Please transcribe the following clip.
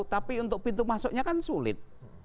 tapi untuk pintu masuknya kan sulit